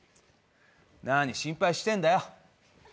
何心配してんだよ。